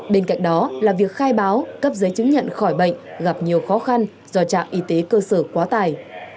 bên cạnh đó là việc khai báo cấp giấy chứng nhận khỏi bệnh gặp nhiều khó khăn do trạm y tế cơ sở quá tài